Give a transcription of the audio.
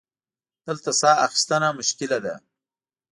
دلته سا اخیستنه مشکله ده.